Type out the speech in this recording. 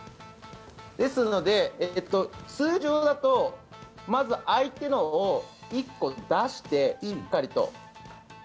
ですので、通常だとまず相手のを１個出して、しっかりと。